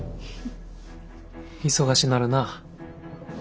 忙しなるな。